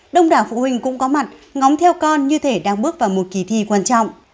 đông đảo phụ huynh cũng có mặt ngóng theo con như thể đang bước vào một kỳ thi quan trọng